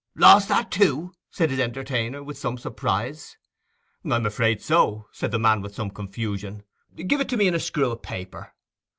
'Lost that too?' said his entertainer, with some surprise. 'I am afraid so,' said the man with some confusion. 'Give it to me in a screw of paper.